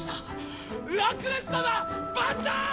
ラクレス様バンザーイ！